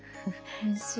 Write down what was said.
おいしい。